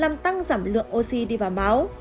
làm tăng giảm lượng oxy đi vào máu